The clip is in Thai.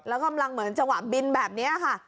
แล้วกำลังเหมือนจังหวะบินแบบนี้ค่ะ